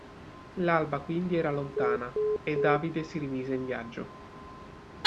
L'alba quindi era lontana e Davide si rimise in viaggio.